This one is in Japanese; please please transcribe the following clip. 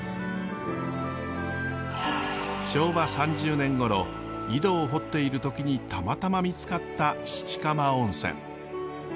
昭和３０年ごろ井戸を掘っている時にたまたま見つかった七釜温泉。